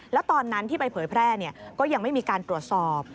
แล้วตอนนั้นที่ไปเผยแพร่ก็ยังไม่มีการตรวจสอบ